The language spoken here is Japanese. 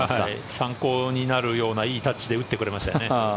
参考になるようないいタッチで打ってくれましたよね。